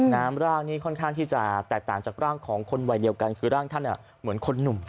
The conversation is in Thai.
น้ำร่างนี้ค่อนข้างที่จะแตกต่างจากร่างของคนวัยเดียวกันคือร่างท่านเหมือนคนหนุ่ม